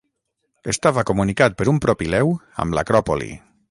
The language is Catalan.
Estava comunicat per un propileu amb l'acròpoli.